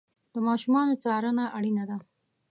د ماشومانو څارنه اړینه ده.